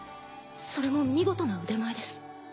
それも見事な腕前です。